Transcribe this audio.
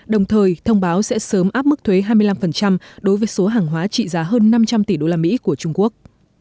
đồng thời thông báo sẽ sớm áp mức thuế hai mươi năm đối với số hàng hóa trị giá hơn năm trăm linh tỷ usd của trung quốc